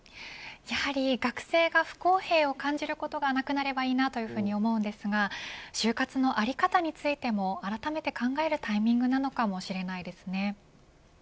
やはり学生が不公平を感じることがなくなればいいなと思いますが就活の在り方についてもあらためて考えるタイミングなのかもしれませんね。